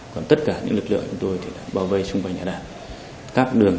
còn tất cả những lực lượng chúng tôi thì đã bao vây xung quanh nhà đảng